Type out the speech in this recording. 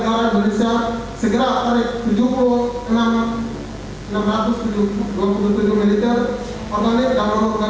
yaitu berupa kumpar jaya oksidil koeberat yang kilo puncak jaya dan padang guna papua